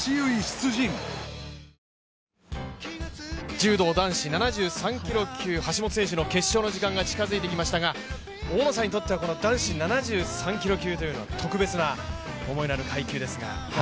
柔道男子７３キロ級、橋本選手の決勝の時間が近づいてきましたが、大野さんにとっては男子７３キロ級というのは特別の思いがある階級ですが。